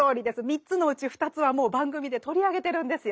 ３つのうち２つはもう番組で取り上げてるんですよ。